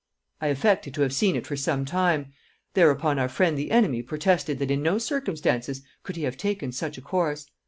I affected to have seen it for some time; thereupon our friend the enemy protested that in no circumstances could he have taken such a course.